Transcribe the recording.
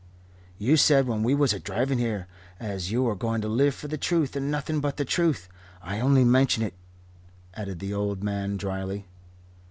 "You said, when we was a driving here, as you are going to live for the Truth and nothing but the Truth. I only mention it," added the old man drily.